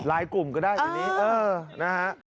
หลายกลุ่มก็ได้อย่างนี้เออนะฮะ